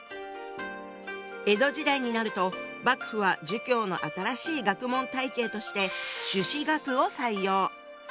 江戸時代になると幕府は「儒教」の新しい学問体系として「朱子学」を採用。